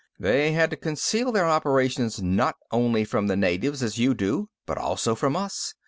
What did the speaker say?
They had to conceal their operations not only from the natives, as you do, but also from us.